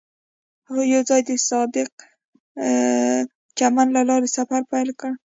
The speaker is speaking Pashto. هغوی یوځای د صادق چمن له لارې سفر پیل کړ.